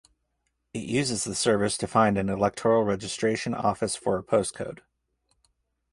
It uses the service to find an electoral registration office for a postcode